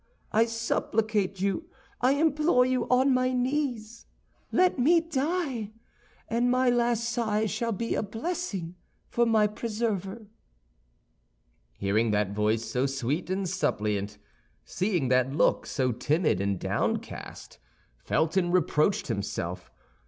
I supplicate you, I implore you on my knees—let me die, and my last sigh shall be a blessing for my preserver." Hearing that voice, so sweet and suppliant, seeing that look, so timid and downcast, Felton reproached himself.